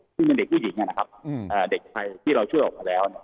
ซึ่งมันเด็กผู้หญิงน่ะนะครับอืมเอ่อเด็กไทยที่เราเชื่อออกมาแล้ว